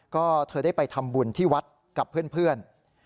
ก็เธอได้ไปทำบุญที่วัดกับเพื่อน